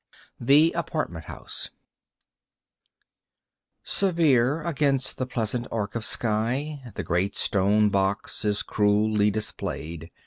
The Apartment House Severe against the pleasant arc of sky The great stone box is cruelly displayed.